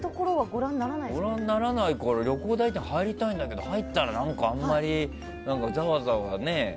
ご覧にならないから旅行代理店、入りたいけど入ったら、あんまりざわざわね。